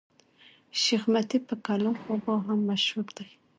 شېخ متي په کلات بابا هم مشهور دئ.